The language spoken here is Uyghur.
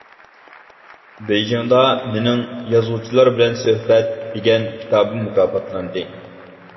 بېيجىڭدا مېنىڭ «يازغۇچىلار بىلەن سۆھبەت» دېگەن كىتابىم مۇكاپاتلاندى.